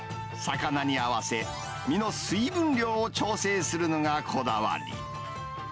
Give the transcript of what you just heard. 魚に合わせ、身の水分量を調整するのがこだわり。